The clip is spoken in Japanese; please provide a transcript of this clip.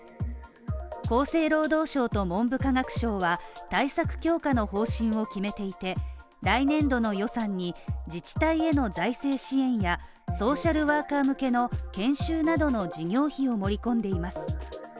厚生労働省と文部科学省は対策強化の方針を決めていて、来年度の予算に自治体への財政支援や、ソーシャルワーカー向けの研修などの事業費を盛り込んでいます。